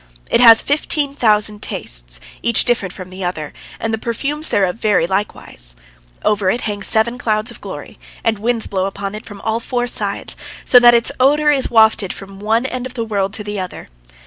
It has fifteen thousand tastes, each different from the other, and the perfumes thereof vary likewise. Over it hang seven clouds of glory, and winds blow upon it from all four sides, so that its odor is wafted from one end of the world to the other.